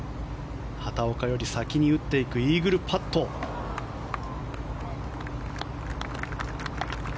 畑岡より先に打っていくイーグルパットでした。